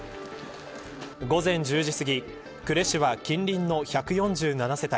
午前１０時すぎ、呉市は近隣の１４７世帯